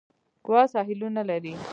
ګوا ساحلونه لري.